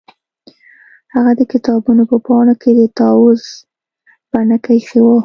هغه د کتابونو په پاڼو کې د طاووس بڼکه ایښې وه